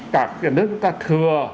cả nước ta thừa